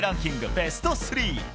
ベスト３！